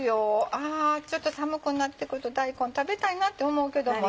あちょっと寒くなってくると大根食べたいなって思うけども。